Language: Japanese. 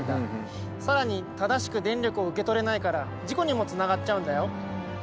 さらに正しく電力を受け取れないから事故にもつながっちゃうんだよ。